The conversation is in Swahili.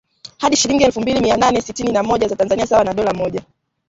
hadi shilingi elfu mbili mia nane sitini na moja za Tanzania sawa na dola moja